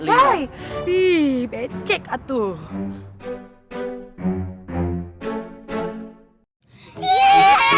iiih becek atuh